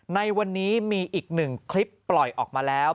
ในวันนี้มีอีกหนึ่งคลิปปล่อยออกมาแล้ว